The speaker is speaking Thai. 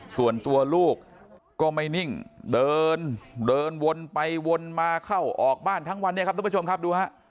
ส่วนตัวลูกก็ไม่นิ่งเดินเดินวนไปวนมาเข้าออกบ้านทั้งวันนี้ครับทุกผู้ชมครับดูฮะ